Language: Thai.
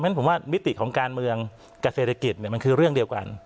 เพราะฉะนั้นผมว่ามิติของการเมืองกับเศรษฐกิจมันคือเรื่องเดียวกัน